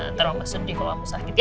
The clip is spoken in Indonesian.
ntar lama sedih kalau kamu sakit ya